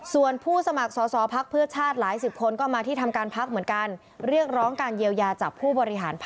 ส่วนผู้สมัครส